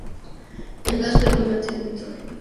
El gas predominante es el nitrógeno.